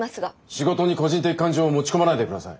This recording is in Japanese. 仕事に個人的感情を持ち込まないで下さい。